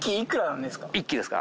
１機ですか？